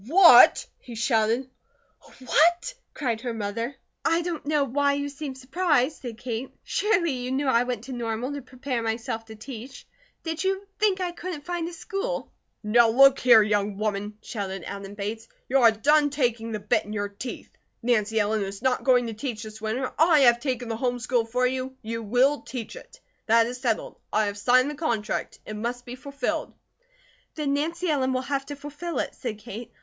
"What?" he shouted. "What?" cried her mother. "I don't know why you seem surprised," said Kate. "Surely you knew I went to Normal to prepare myself to teach. Did you think I couldn't find a school?" "Now look here, young woman," shouted Adam Bates, "you are done taking the bit in your teeth. Nancy Ellen is not going to teach this winter. I have taken the home school for you; you will teach it. That is settled. I have signed the contract. It must be fulfilled." "Then Nancy Ellen will have to fulfill it," said Kate.